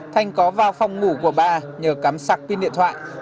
thanh có vào phòng ngủ của bà nhờ cắm sạc pin điện thoại